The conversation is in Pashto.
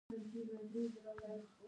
پانګوال په متوسطې ګټې اضافي ګټه نه کوي